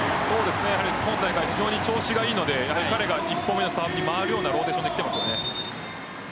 今大会、非常に調子がいいので彼が１本目でサーブに回るようなローテーションできていますよね。